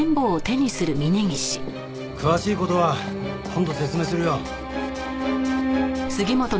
詳しい事は今度説明するよ。